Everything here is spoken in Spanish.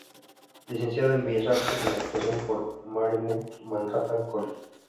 Licenciada en Bellas Artes en Actuación por la Marymount Manhattan College.